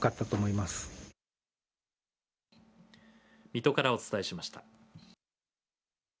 水戸からお伝えしました。